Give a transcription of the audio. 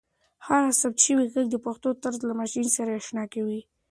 هر ثبت شوی ږغ د پښتو طرز له ماشین سره اشنا کوي.